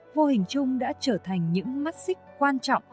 vô hình chung đã trở thành những mắt xích quan trọng